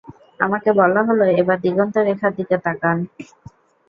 আমাকে বলা হল, এবার দিগন্ত রেখার দিকে তাকান।